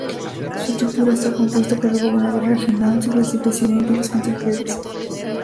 Su estructura está compuesto por el gobernador regional, su vicepresidente y los consejeros.